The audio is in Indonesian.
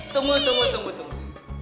tunggu tunggu tunggu